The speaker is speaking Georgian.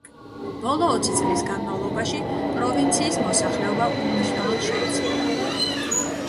ბოლო ოცი წლის განმავლობაში, პროვინციის მოსახლეობა უმნიშვნელოდ შეიცვალა.